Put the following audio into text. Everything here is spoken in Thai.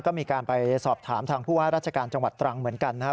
ก็มีการไปสอบถามทางผู้ว่าราชการจังหวัดตรังเหมือนกันนะครับ